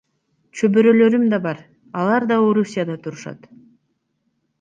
Чөбөрөлөрүм да бар, алар да Орусияда турушат.